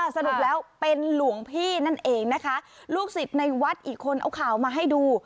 สรุปแล้วเป็นหลวงพี่นั่นเองนะคะลูกศิษย์ในวัดอีกคนเอาข่าวมาให้ดู